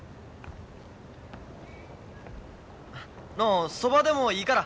のうそばでもいいから。